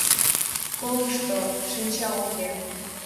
Комышто шинчал уке.